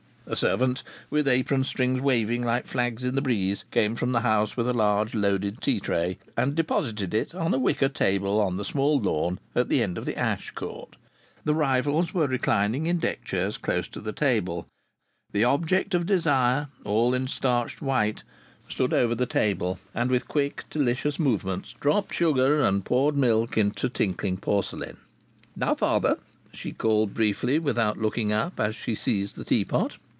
A servant with apron strings waving like flags in the breeze came from the house with a large loaded tea tray, and deposited it on a wicker table on the small lawn at the end of the ash court. The rivals were reclining in deck chairs close to the table; the Object of Desire, all in starched white, stood over the table and with quick delicious movements dropped sugar and poured milk into tinkling porcelain. "Now, father," she called briefly, without looking up, as she seized the teapot.